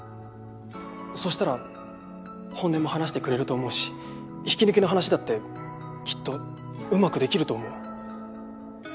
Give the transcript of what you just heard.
そしたら本音も話してくれると思うし引き抜きの話だってきっとうまくできると思う。